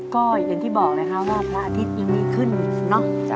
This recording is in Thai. ก็อย่างที่บอกนะคะว่าพระอาทิตย์ยังมีขึ้นเนอะ